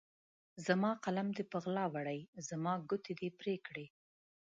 زما قلم دې په غلا وړی، زما ګوتې دي پرې کړي